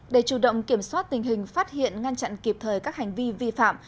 để chủ động kiểm soát tình hình phát hiện ngăn chặn kịp thời các hành vi vi phạm